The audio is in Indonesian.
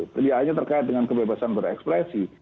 jadi hal ini terkait dengan kebebasan berekspresi